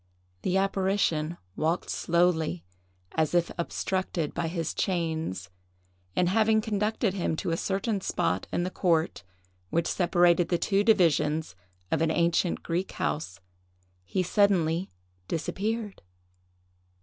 The apparition walked slowly, as if obstructed by his chains; and having conducted him to a certain spot in the court, which separated the two divisions of an ancient Greek house, he suddenly disappeared.